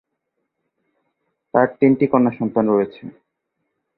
তার তিনটি কন্যা সন্তান রয়েছে।